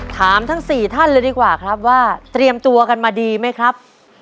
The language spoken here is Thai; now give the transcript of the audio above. ทั้ง๔ท่านเลยดีกว่าครับว่าเตรียมตัวกันมาดีไหมครับ